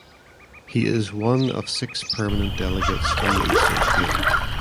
He is one of six permanent delegates from the Eastern Cape.